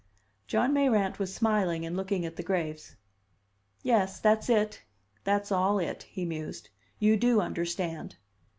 John Mayrant was smiling and looking at the graves. "Yes, that's it; that's all it," he mused. "You do understand."